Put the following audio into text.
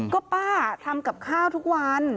ก็ป้าทำกับข้าวทุกวัน